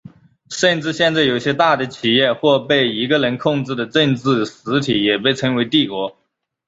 甚至现在有些大的企业或被一个人控制的政治实体也被称为帝国。